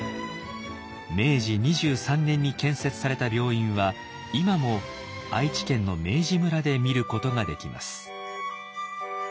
明治２３年に建設された病院は今も愛知県の明治村で見ることができます。